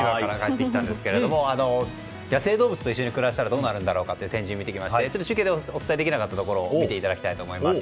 野生動物と一緒に暮らしたらどうなるんだろうかという展示を見てきまして中継でお伝えできなかったところ見ていただきたいと思います。